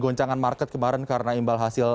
goncangan market kemarin karena imbal hasil